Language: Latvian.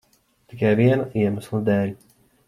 Tikai viena iemesla dēļ.